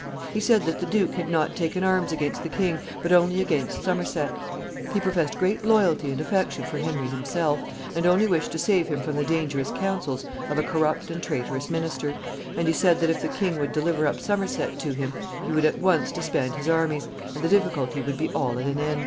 He said that the duke had not taken arms against the king, but only against Somerset. He professed great loyalty and affection for Henry himself, and only wished to save him from the dangerous counsels of a corrupt and traitorous minister, and he said that if the king would deliver up Somerset to him, he would at once disband his armies, and the difficulty would be all at an end.